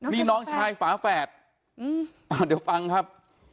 นี่น้องชายฝาแฝดเดี๋ยวฟังครับ